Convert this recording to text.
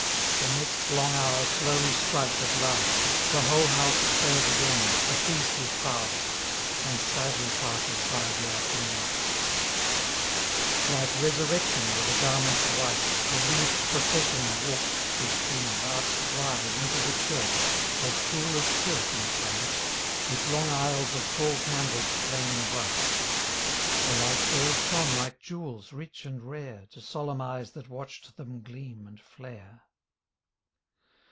The next long hour slowly strikes at last, The whole house stirs again, the feast is past, And sadly passes by the afternoon ... Like resurrection were the garments white The wreathed procession walked through trees arched wide Into the church, as cool as silk inside. With long aisles of tall candles flaming bright: The lights all shone like jewels rich and rare To solemn eyes that watched them gleam and flare.